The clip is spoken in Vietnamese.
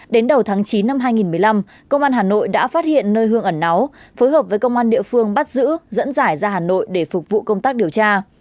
đến đầu tháng chín năm hai nghìn một mươi năm công an hà nội đã phát hiện nơi hương ẩn náu phối hợp với công an địa phương bắt giữ dẫn giải ra hà nội để phục vụ công tác điều tra